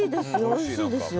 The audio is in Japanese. おいしいですよ。